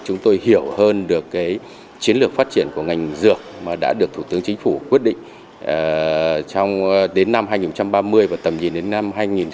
chúng tôi hiểu hơn được chiến lược phát triển của ngành dược mà đã được thủ tướng chính phủ quyết định đến năm hai nghìn ba mươi và tầm nhìn đến năm hai nghìn bốn mươi